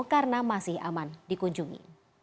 karena masih aman dikunjungi